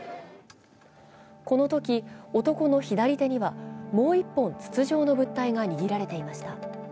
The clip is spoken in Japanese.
このとき、男の左手にはもう１本筒状の物体が握られていました。